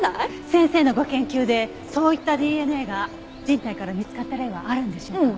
先生のご研究でそういったＤＮＡが人体から見つかった例はあるんでしょうか？